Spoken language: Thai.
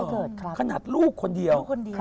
อ๋อเหรอขนาดลูกคนเดียว